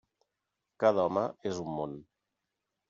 Cada home és un món.